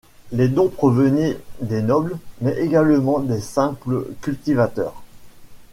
Les dons provenaient des nobles, mais également des simples cultivateurs.